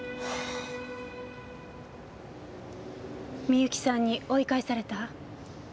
みゆきさんに追い返された？